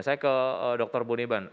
saya ke dr budiman